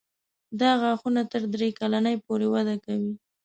دا غاښونه تر درې کلنۍ پورې وده کوي.